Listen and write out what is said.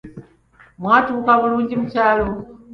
Mwatuuka bulungi mukyalo?